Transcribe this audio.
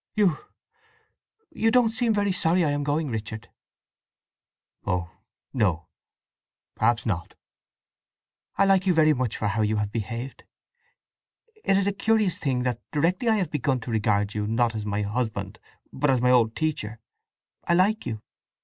"You… You don't seem very sorry I am going, Richard!" "Oh no—perhaps not." "I like you much for how you have behaved. It is a curious thing that directly I have begun to regard you as not my husband, but as my old teacher, I like you.